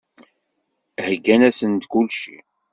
Heyyan-asen-d kulci.